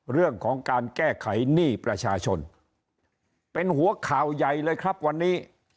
เรื่องของการแก้ไขหนี้ประชาชนเป็นหัวข่าวใหญ่เลยครับวันนี้